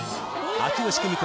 秋吉久美子